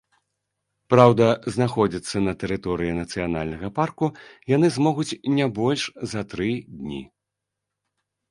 Праўда, знаходзіцца на тэрыторыі нацыянальнага парку яны змогуць не больш за тры дні.